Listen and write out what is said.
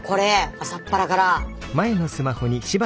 朝っぱらから！